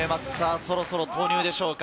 そろそろ投入でしょうか？